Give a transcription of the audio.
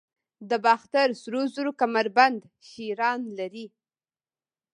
د باختر سرو زرو کمربند شیران لري